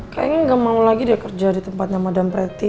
kayaknya gak mau lagi dia kerja di tempatnya madam pretty